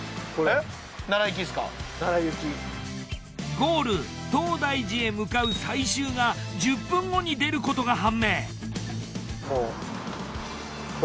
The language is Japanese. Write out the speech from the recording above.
ゴール東大寺へ向かう最終が１０分後に出ることが判明！